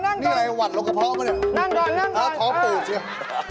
นี่ไงวัดรกะพอร์กรึเป็น